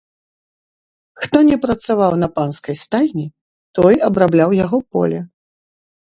Хто не працаваў на панскай стайні, той абрабляў яго поле.